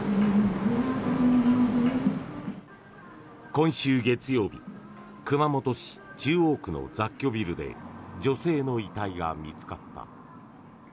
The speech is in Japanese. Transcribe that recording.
今週月曜日熊本市中央区の雑居ビルで女性の遺体が見つかった。